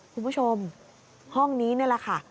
คุณผู้ชมห้องนี้นี่แหละค่ะ